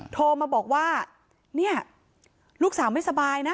โทรมาบอกว่าเนี่ยลูกสาวไม่สบายนะ